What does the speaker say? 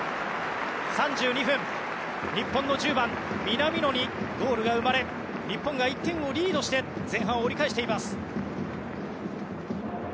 ３２分、日本の１０番南野にゴールが生まれ日本が１点をリードして前半を折り返しています。